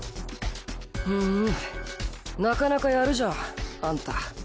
ふんなかなかやるじゃんアンタ。